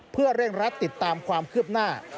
เพื่อเร่งรัดติดตามความคืบหน้า